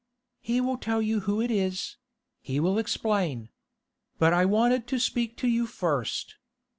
'He will tell you who it is; he will explain. But I wanted to speak to you first.